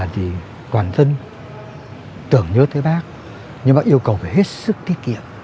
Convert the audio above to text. thì toàn dân tưởng nhớ tới bác nhưng bác yêu cầu hết sức thi kí